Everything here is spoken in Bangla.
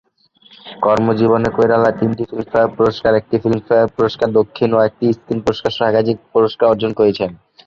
কর্মজীবনে কৈরালা তিনটি ফিল্মফেয়ার পুরস্কার, একটি ফিল্মফেয়ার পুরস্কার দক্ষিণ ও একটি স্ক্রিন পুরস্কারসহ একাধিক পুরস্কার অর্জন করেছেন।